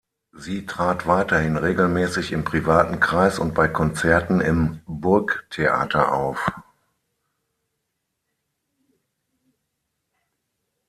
Sie trat weiterhin regelmäßig im privaten Kreis und bei Konzerten im Burgtheater auf.